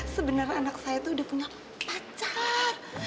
sebenarnya anak saya itu udah punya pacar